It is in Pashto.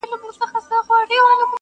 o يو وار ئې زده که بيا ئې در کوزده که٫